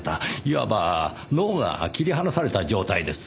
いわば脳が切り離された状態です。